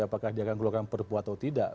apakah dia akan keluarkan perpu atau tidak